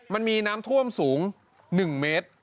มันมีน้ำท่วมสูง๑เมตร